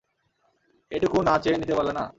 এটুকু না চেয়ে নিতে পারলে না?